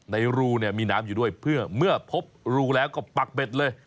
ในรูเนี่ยมีน้ำอยู่ด้วยเพื่อเมื่อพบรูแล้วก็ปักเบ็ดเลย